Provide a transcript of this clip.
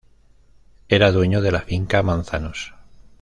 Era dueño de la finca Manzanos.